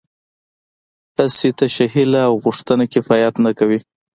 هسې تشه هیله او غوښتنه کفایت نه کوي